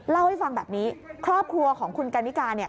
เล่าให้ฟังแบบนี้ครอบครัวของคุณกันนิกาเนี่ย